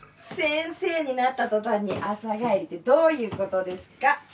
先生になった途端に朝帰りってどういうことですか？